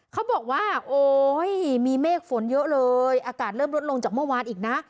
เขาบอกว่าโอ้ยมีเมฆฝนเยอะเลยอากาศเริ่มลดลงจากเมื่อวานอีกนะ